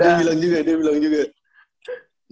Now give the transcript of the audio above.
dia bilang juga dia bilang juga